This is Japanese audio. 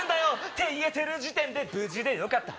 ⁉って言えてる時点で無事でよかった。